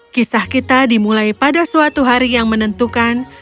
kisah kita dimulai pada suatu hari yang menentukan